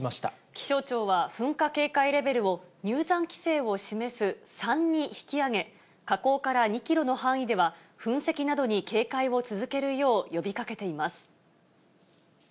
気象庁は、噴火警戒レベルを、入山規制を示す３に引き上げ、火口から２キロの範囲では、噴石などに警戒を続けるよう呼びかけています。